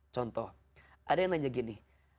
contoh ada yang nanya gini